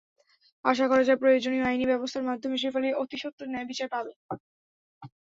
আশা করা যায়, প্রয়োজনীয় আইনি ব্যবস্থার মাধ্যমে শেফালি অতিসত্বর ন্যায়বিচার পাবে।